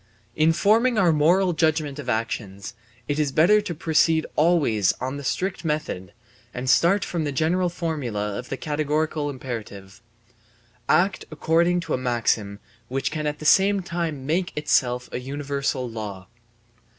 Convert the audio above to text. In forming our moral judgement of actions, it is better to proceed always on the strict method and start from the general formula of the categorical imperative: Act according to a maxim which can at the same time make itself a universal law.